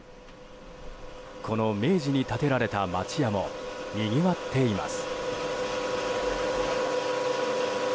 この、明治に立てられた町屋もにぎわっています。